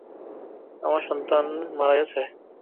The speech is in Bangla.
আমার সন্তান মারা গেছে!